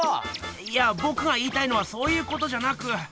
いやぼくが言いたいのはそういうことじゃなく。